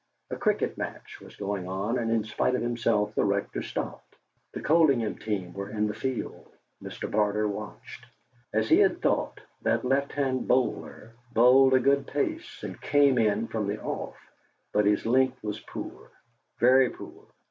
A cricket match was going on, and in spite of himself the Rector stopped. The Coldingham team were in the field. Mr. Barter watched. As he had thought, that left hand bowler bowled a good pace, and "came in" from the off, but his length was poor, very poor!